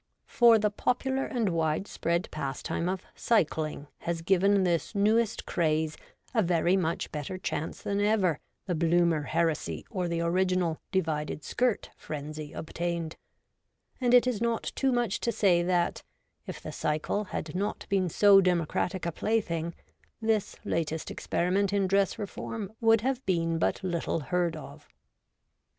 For the popular and widespread pastime of cycling has given this newest craze a very much better chance than ever the Bloomer heresy or the original Divided Skirt frenzy obtained ; and it is not too much to say that, if the cycle had not been so democratic a plaything, this latest experiment in dress reform would have been but little heard of.